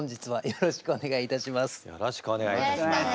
よろしくお願いします。